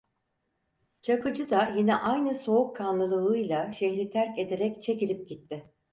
Çakıcı da yine aynı soğukkanlılığıyla şehri terk ederek çekilip gitti.